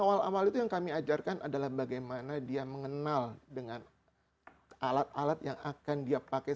awal awal itu yang kami ajarkan adalah bagaimana dia mengenal dengan alat alat yang akan dia pakai